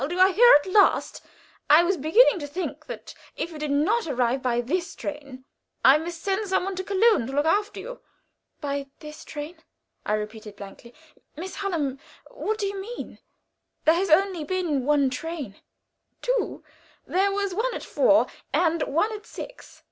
you are here at last. I was beginning to think that if you did not come by this train, I must send some one to Köln to look after you." "By this train!" I repeated, blankly. "Miss Hallam what do you mean? There has been no other train." "Two; there was one at four and one at six.